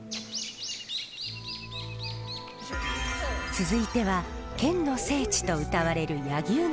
続いては剣の聖地とうたわれる柳生の里へ。